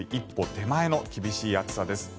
手前の厳しい暑さです。